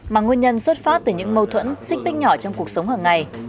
mà nguyên nhân xuất phát từ những mâu thuẫn xích bích nhỏ trong cuộc sống hàng ngày